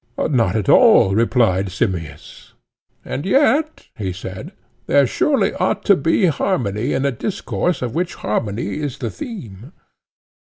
Not at all, replied Simmias. And yet, he said, there surely ought to be harmony in a discourse of which harmony is the theme.